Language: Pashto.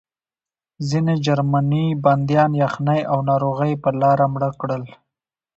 ځینې جرمني بندیان یخنۍ او ناروغۍ په لاره مړه کړل